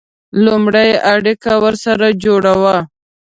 لومړی اړیکه ورسره جوړوو.